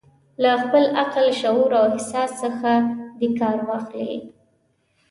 له خپل عقل، شعور او احساس څخه دې کار واخلي.